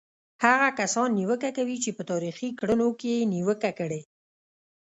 هغه کسان نیوکه کوي چې په تاریخي کړنو کې یې نیوکه کړې.